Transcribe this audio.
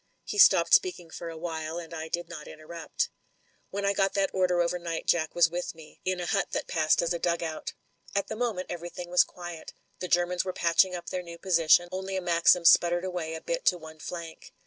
He stopped speaking for a while, and I did not interrupt. "When I got that order overnight Jack was with me, in a h(^e that passed as a dugout. At the moment everything was quiet; the Germans were patching up their new position ; only a maxim spluttered away a bit to one flank.